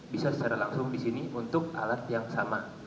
bisa secara langsung di sini untuk alat yang sama